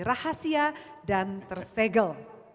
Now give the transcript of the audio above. rahasia dan tersegel